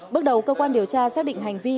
bước đầu cơ quan điều tra xác định hành vi